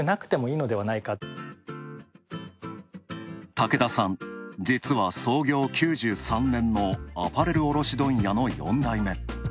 竹田さん、実は創業９３年のアパレル卸問屋の４代目。